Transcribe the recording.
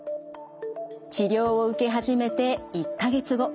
治療を受け始めて１か月後。